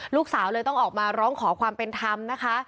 ลูกสาวเลยต้องออกมาร้องขอความเป็นธรรมนะคะ